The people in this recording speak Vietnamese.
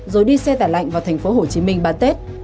rồi đi xe tải lạnh vào tp hcm bán tết